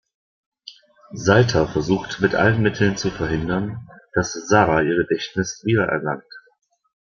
Salter versucht mit allen Mitteln zu verhindern, dass Zara ihr Gedächtnis wiedererlangt.